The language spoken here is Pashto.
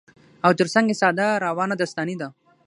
او تر څنګ يې ساده، روانه داستاني ده